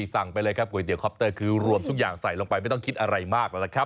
สั่งไปเลยครับก๋วยเตี๋ยวคอปเตอร์คือรวมทุกอย่างใส่ลงไปไม่ต้องคิดอะไรมาก